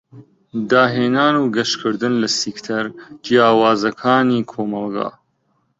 داهێنان و گەشکردن لە سیکتەر جیاوازەکانی کۆمەلگا.